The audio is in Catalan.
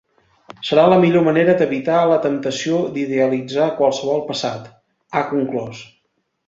Serà la millor manera d’evitar la temptació d’idealitzar qualsevol passat, ha conclòs.